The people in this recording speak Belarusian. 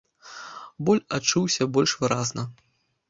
Боль адчуўся больш выразна.